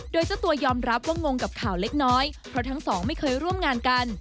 โดยเจ้าตัวยอมรับว่างงกับข่าวเล็กน้อยเพราะทั้งสองไม่เคยร่วมงานกัน